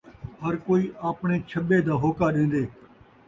ہر کئی آپݨے چھٻے دا ہوکا ݙین٘دے